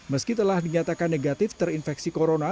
meski telah dinyatakan negatif terinfeksi corona